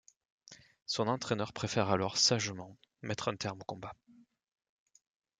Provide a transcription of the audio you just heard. Son entraineur préfère alors sagement mettre un terme au combat.